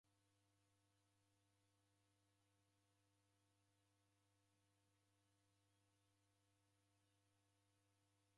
Kwafwani koni icho icho, vilongozi vimu va ikanisa w'engia siasa.